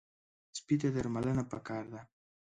سپي ته درملنه پکار ده.